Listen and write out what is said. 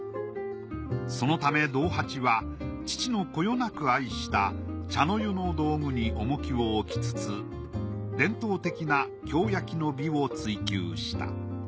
そのため道八は父のこよなく愛した茶の湯の道具に重きを置きつつ伝統的な京焼の美を追求した。